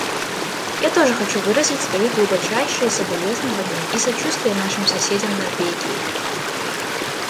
Я тоже хочу выразить свои глубочайшие соболезнования и сочувствие нашим соседям в Норвегии.